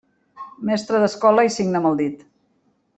Mestre d'escola i signa amb el dit.